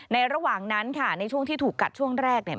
ระหว่างนั้นค่ะในช่วงที่ถูกกัดช่วงแรกเนี่ย